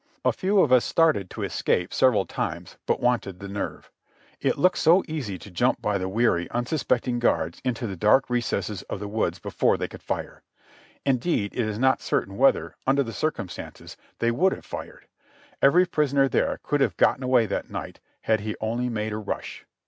A few of us started to escape several times, but wanted the nerve. It looked so easy to jump by the weary, unsuspecting guards into the dark recesses of the woods before they could fire. Indeed it is not certain whether, under the circumstances, they would have fired. Every prisoner there could have gotten away that night had he only made a rush.